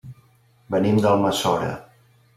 Venim d'Almassora.